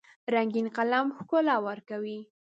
رنګین قلم ښکلا ورکوي.